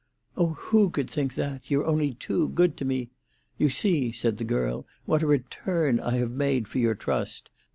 "Oh, who could think that? You're only too good to me. You see," said the girl, "what a return I have made for your trust.